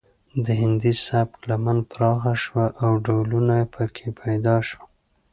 د هندي سبک لمن پراخه شوه او ډولونه پکې پیدا شول